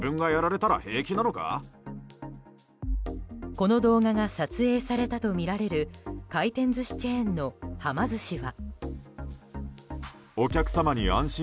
この動画が撮影されたとみられる回転寿司チェーンのはま寿司は。